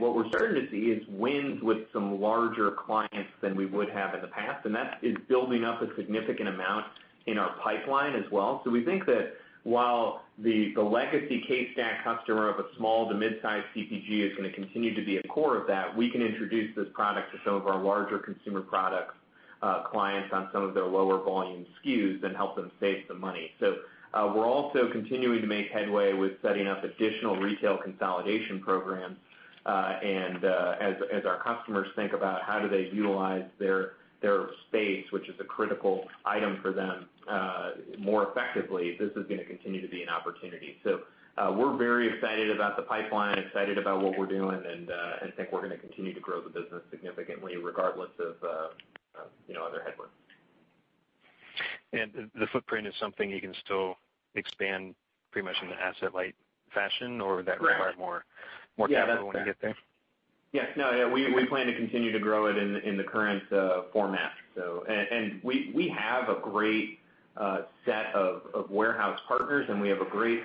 What we're starting to see is wins with some larger clients than we would have in the past. That is building up a significant amount in our pipeline as well. We think that while the legacy CaseStack customer of a small to mid-size CPG is going to continue to be a core of that, we can introduce this product to some of our larger consumer product clients on some of their lower volume SKUs and help them save some money. We're also continuing to make headway with setting up additional retail consolidation programs. As our customers think about how do they utilize their space, which is a critical item for them, more effectively, this is going to continue to be an opportunity. We're very excited about the pipeline, excited about what we're doing, and think we're going to continue to grow the business significantly, regardless of other headwinds. The footprint is something you can still expand pretty much in the asset-light fashion, or would that require more capital when you get there? Yes. No, we plan to continue to grow it in the current format. We have a great set of warehouse partners, and we have a great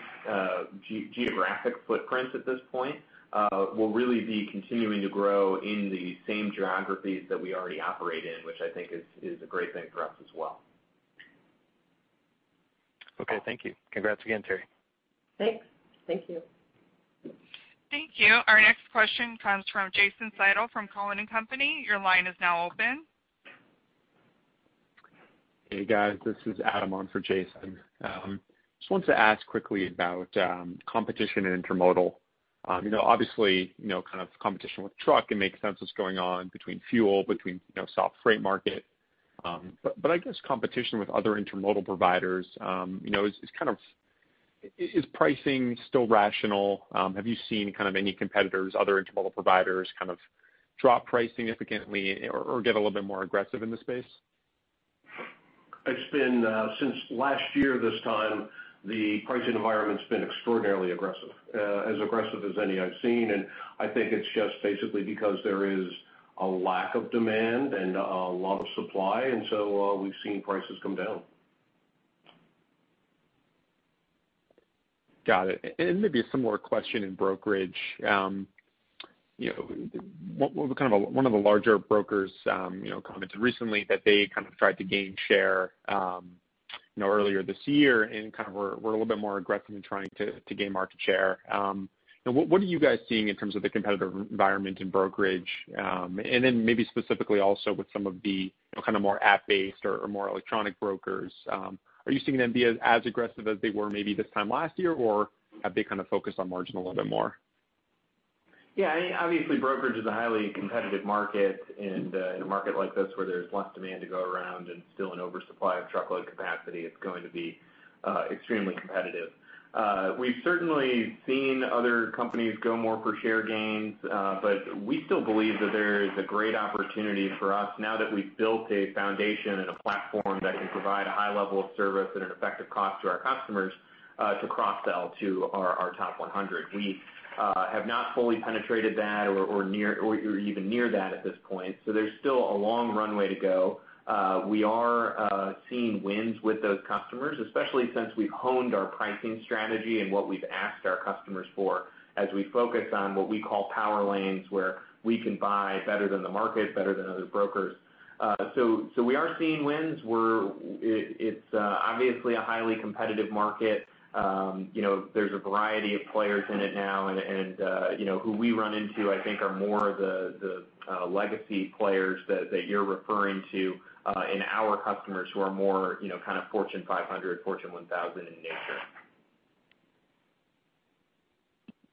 geographic footprint at this point. We'll really be continuing to grow in the same geographies that we already operate in, which I think is a great thing for us as well. Okay. Thank you. Congrats again, Terri. Thanks. Thank you. Thank you. Our next question comes from Jason Seidl from Cowen & Company. Your line is now open. Hey, guys, this is Adam on for Jason. Just wanted to ask quickly about competition in intermodal. Obviously, kind of competition with truck, it makes sense what's going on between fuel, between soft freight market. I guess competition with other intermodal providers, is pricing still rational? Have you seen kind of any competitors, other intermodal providers kind of drop price significantly or get a little bit more aggressive in the space? It's been, since last year this time, the pricing environment's been extraordinarily aggressive, as aggressive as any I've seen. I think it's just basically because there is a lack of demand and a lot of supply, we've seen prices come down. Got it. Maybe a similar question in brokerage. One of the larger brokers commented recently that they kind of tried to gain share earlier this year and were a little bit more aggressive in trying to gain market share. What are you guys seeing in terms of the competitive environment in brokerage? Maybe specifically also with some of the kind of more app-based or more electronic brokers. Are you seeing them be as aggressive as they were maybe this time last year, or have they kind of focused on margin a little bit more? Obviously, brokerage is a highly competitive market, and in a market like this where there's less demand to go around and still an oversupply of truckload capacity, it's going to be extremely competitive. We've certainly seen other companies go more for share gains. We still believe that there is a great opportunity for us now that we've built a foundation and a platform that can provide a high level of service at an effective cost to our customers, to cross-sell to our top 100. We have not fully penetrated that, or even near that at this point. There's still a long runway to go. We are seeing wins with those customers, especially since we've honed our pricing strategy and what we've asked our customers for as we focus on what we call power lanes, where we can buy better than the market, better than other brokers. We are seeing wins. It's obviously a highly competitive market. There's a variety of players in it now, and who we run into, I think are more of the legacy players that you're referring to in our customers who are more kind of Fortune 500, Fortune 1,000 in nature.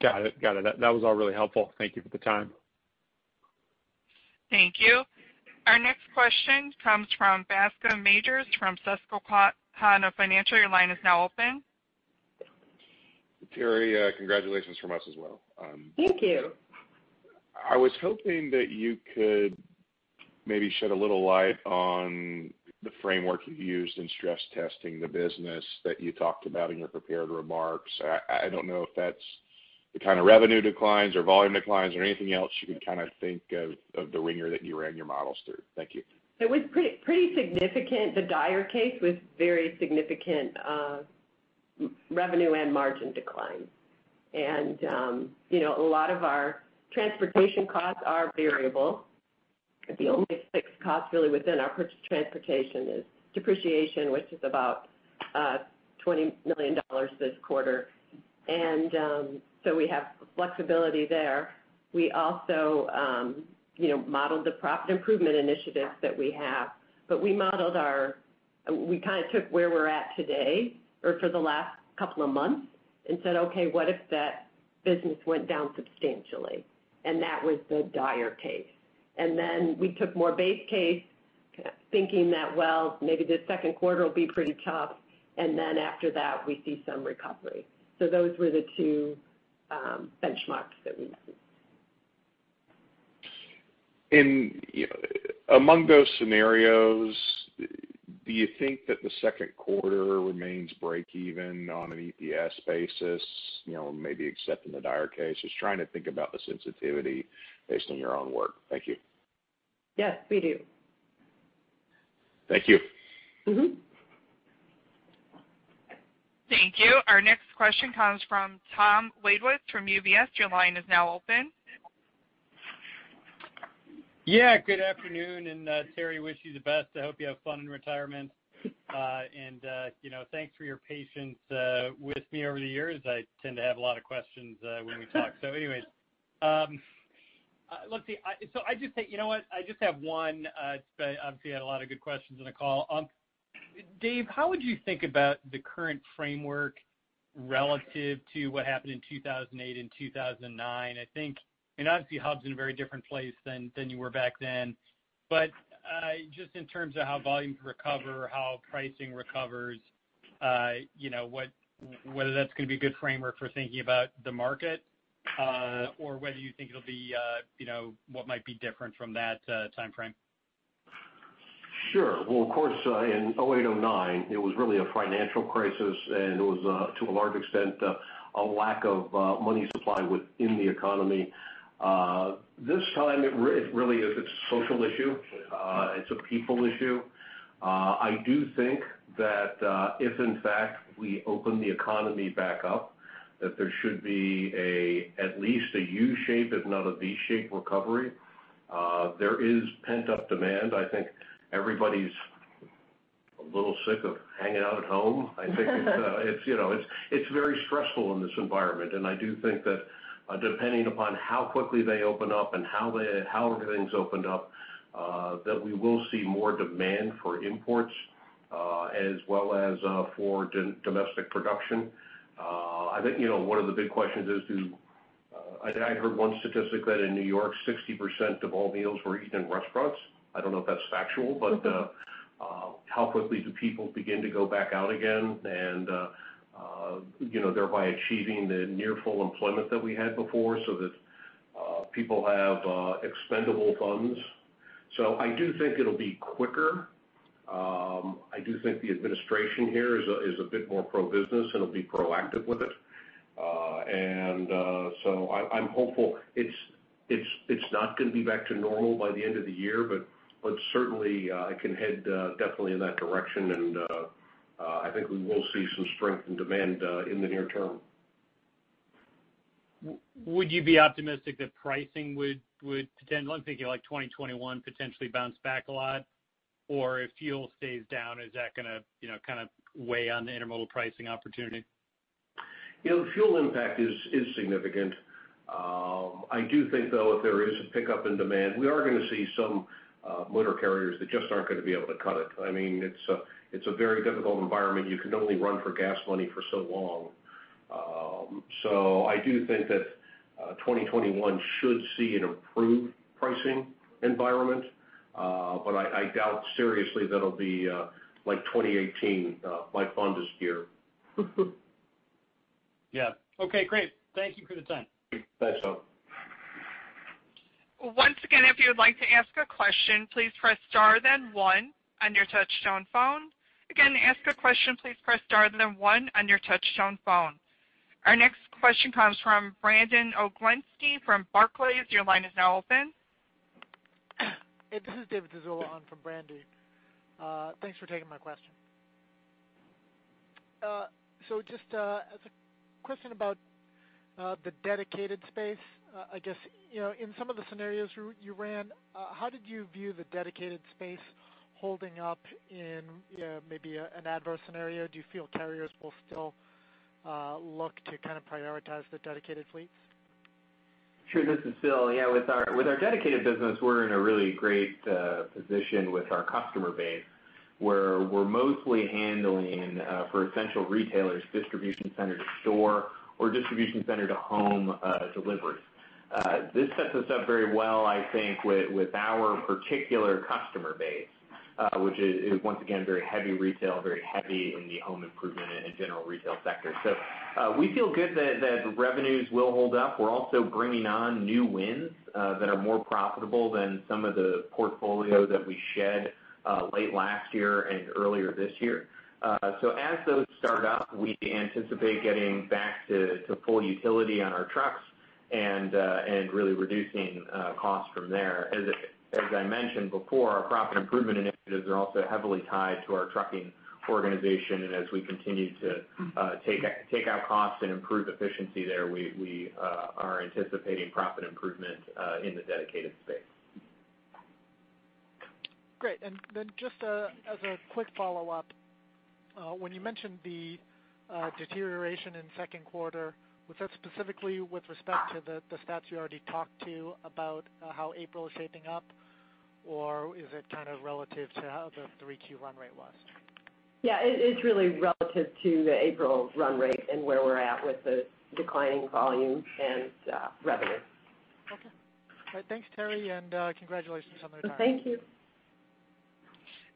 Got it. That was all really helpful. Thank you for the time. Thank you. Our next question comes from Bascome Majors from Susquehanna Financial Group. Your line is now open. Terri, congratulations from us as well. Thank you. I was hoping that you could maybe shed a little light on the framework you've used in stress testing the business that you talked about in your prepared remarks. I don't know if that's the kind of revenue declines or volume declines or anything else you can kind of think of the wringer that you ran your models through. Thank you. It was pretty significant. The dire case was very significant. Revenue and margin decline. A lot of our transportation costs are variable. The only fixed cost really within our transportation is depreciation, which is about $20 million this quarter. We have flexibility there. We also modeled the profit improvement initiatives that we have. We kind of took where we're at today, or for the last couple of months and said, "Okay, what if that business went down substantially?" That was the dire case. We took more base case thinking that, well, maybe the second quarter will be pretty tough, and then after that we see some recovery. Those were the two benchmarks that we modeled. Among those scenarios, do you think that the second quarter remains break even on an EPS basis, maybe except in the dire case? Just trying to think about the sensitivity based on your own work. Thank you. Yes, we do. Thank you. Thank you. Our next question comes from Tom Wadewitz from UBS. Your line is now open. Yeah, good afternoon, Terri, wish you the best. I hope you have fun in retirement. Thanks for your patience with me over the years. I tend to have a lot of questions when we talk. Anyways. You know what? I just have one. Obviously, you had a lot of good questions on the call. Dave, how would you think about the current framework relative to what happened in 2008 and 2009? I think, obviously Hub's in a very different place than you were back then. Just in terms of how volumes recover, how pricing recovers, whether that's going to be a good framework for thinking about the market, or whether you think what might be different from that timeframe. Sure. Well, of course, in 2008, 2009, it was really a financial crisis. It was, to a large extent, a lack of money supply within the economy. This time it really is a social issue. It's a people issue. I do think that if in fact we open the economy back up, that there should be at least a U-shape, if not a V-shape recovery. There is pent-up demand. I think everybody's a little sick of hanging out at home. I think it's very stressful in this environment. I do think that depending upon how quickly they open up and how everything's opened up, that we will see more demand for imports as well as for domestic production. I think one of the big questions is, I heard one statistic that in New York, 60% of all meals were eaten in restaurants. I don't know if that's factual, but how quickly do people begin to go back out again and thereby achieving the near full employment that we had before so that people have expendable funds. I do think it'll be quicker. I do think the administration here is a bit more pro-business and will be proactive with it. I'm hopeful. It's not going to be back to normal by the end of the year, but certainly it can head definitely in that direction, and I think we will see some strength in demand in the near term. Would you be optimistic that pricing would potentially, I'm thinking like 2021, potentially bounce back a lot? Or if fuel stays down, is that going to kind of weigh on the intermodal pricing opportunity? Fuel impact is significant. I do think, though, if there is a pickup in demand, we are going to see some motor carriers that just aren't going to be able to cut it. It's a very difficult environment. You can only run for gas money for so long. I do think that 2021 should see an improved pricing environment. I doubt seriously that it'll be like 2018, my fondest year. Yeah. Okay, great. Thank you for the time. Thanks, Tom. Once again, if you would like to ask a question, please press star then one on your touchtone phone. To ask a question, please press star then one on your touchtone phone. Our next question comes from Brandon Oglenski from Barclays. Your line is now open. Hey, this is David Zazula on from Brandon. Thanks for taking my question. Just as a question about the dedicated space. I guess, in some of the scenarios you ran, how did you view the dedicated space holding up in maybe an adverse scenario? Do you feel carriers will still look to kind of prioritize the dedicated fleets? Sure, this is Phil. Yeah, with our dedicated business, we're in a really great position with our customer base, where we're mostly handling for essential retailers, distribution center to store or distribution center to home deliveries. This sets us up very well, I think, with our particular customer base, which is once again, very heavy retail, very heavy in the home improvement and general retail sector. We feel good that revenues will hold up. We're also bringing on new wins that are more profitable than some of the portfolio that we shed late last year and earlier this year. As those start up, we anticipate getting back to full utility on our trucks. Really reducing costs from there. As I mentioned before, our profit improvement initiatives are also heavily tied to our trucking organization, and as we continue to take out costs and improve efficiency there, we are anticipating profit improvement in the dedicated space. Great. Just as a quick follow-up, when you mentioned the deterioration in second quarter, was that specifically with respect to the stats you already talked to about how April is shaping up, or is it kind of relative to how the 3Q run rate was? Yeah, it's really relative to the April run rate and where we're at with the declining volume and revenue. Okay. All right. Thanks, Terri, and congratulations on the retirement. Thank you.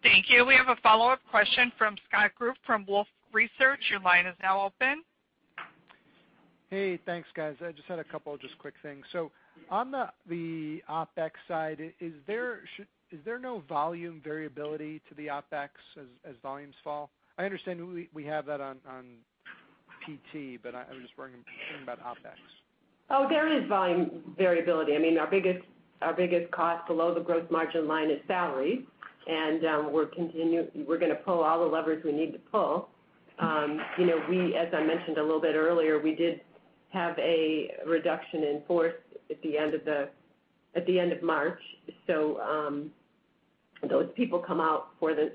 Thank you. We have a follow-up question from Scott Group from Wolfe Research. Your line is now open. Hey, thanks, guys. I just had a couple of just quick things. On the OpEx side, is there no volume variability to the OpEx as volumes fall? I understand we have that on PT, but I was just wondering about OpEx. There is volume variability. I mean, our biggest cost below the gross margin line is salary, and we're going to pull all the levers we need to pull. As I mentioned a little bit earlier, we did have a reduction in force at the end of March, so those people come out for the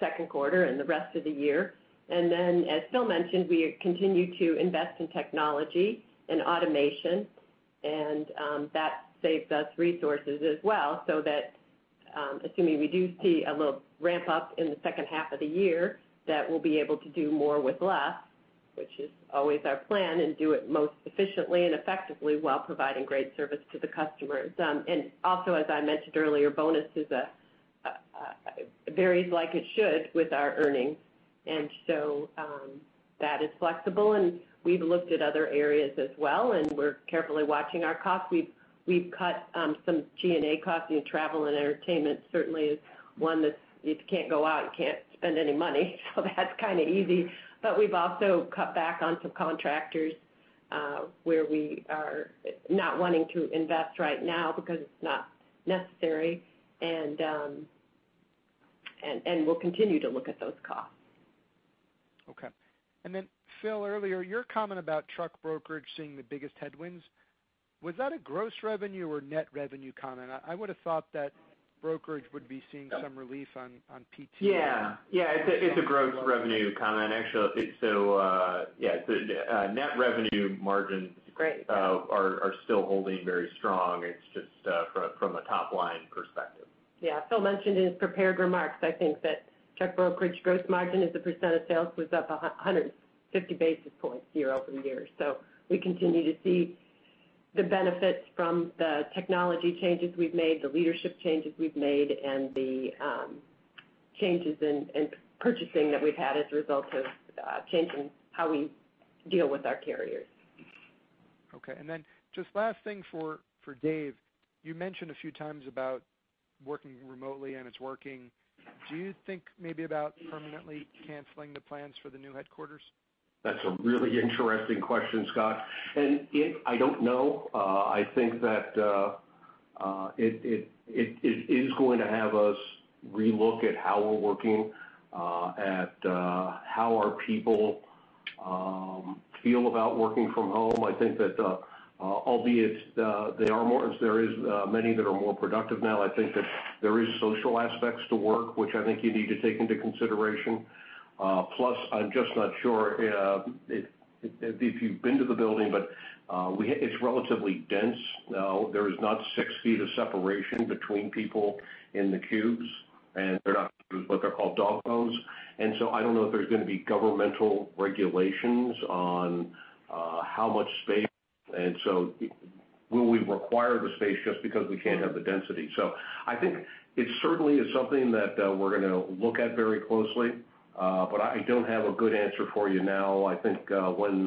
second quarter and the rest of the year. As Phil mentioned, we continue to invest in technology and automation, and that saves us resources as well, so that assuming we do see a little ramp-up in the second half of the year, that we'll be able to do more with less, which is always our plan, and do it most efficiently and effectively while providing great service to the customers. As I mentioned earlier, bonuses varies like it should with our earnings. That is flexible, and we've looked at other areas as well, and we're carefully watching our costs. We've cut some G&A costs. Travel and entertainment certainly is one that you can't go out, you can't spend any money, so that's kind of easy. We've also cut back on some contractors, where we are not wanting to invest right now because it's not necessary, and we'll continue to look at those costs. Okay. Phil, earlier, your comment about truck brokerage seeing the biggest headwinds, was that a gross revenue or net revenue comment? I would have thought that brokerage would be seeing some relief on PT. Yeah. It's a gross revenue comment, actually. Yeah, net revenue margins- Great. are still holding very strong. It's just from a top-line perspective. Yeah. Phil mentioned in his prepared remarks, I think, that truck brokerage gross margin as a percentage of sales was up 150 basis points year-over-year. We continue to see the benefits from the technology changes we've made, the leadership changes we've made, and the changes in purchasing that we've had as a result of changing how we deal with our carriers. Okay. Just last thing for Dave, you mentioned a few times about working remotely, and it's working. Do you think maybe about permanently canceling the plans for the new headquarters? That's a really interesting question, Scott, and I don't know. I think that it is going to have us re-look at how we're working, at how our people feel about working from home. I think that albeit there is many that are more productive now, I think that there is social aspects to work, which I think you need to take into consideration. Plus, I'm just not sure. If you've been to the building, but it's relatively dense now. There is not six feet of separation between people in the cubes, and they're not cubes, but they're called dog bones. I don't know if there's going to be governmental regulations on how much space, and so will we require the space just because we can't have the density? I think it certainly is something that we're going to look at very closely, but I don't have a good answer for you now. I think when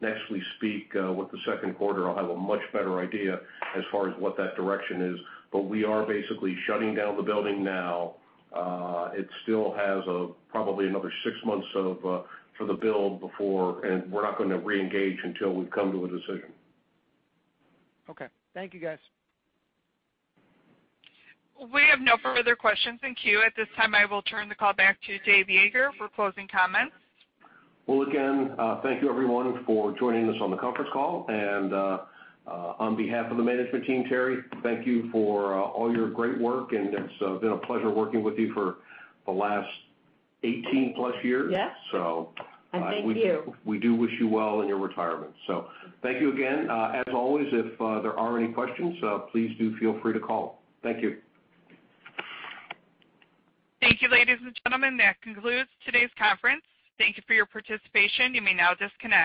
next we speak with the second quarter, I'll have a much better idea as far as what that direction is, but we are basically shutting down the building now. It still has probably another six months for the build before, and we're not going to re-engage until we've come to a decision. Okay. Thank you, guys. We have no further questions in queue. At this time, I will turn the call back to Dave Yeager for closing comments. Well, again, thank you everyone for joining us on the conference call. On behalf of the management team, Terri, thank you for all your great work, and it's been a pleasure working with you for the last 18 plus years. Yes. Thank you. We do wish you well in your retirement. Thank you again. As always, if there are any questions, please do feel free to call. Thank you. Thank you, ladies and gentlemen, that concludes today's conference. Thank you for your participation. You may now disconnect.